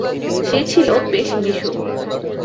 সে ছিল বেশ মিশুক।